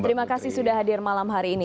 terima kasih sudah hadir malam hari ini